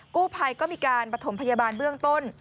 กู้ภัยก็มีการประถมพยาบาลเบื้องต้น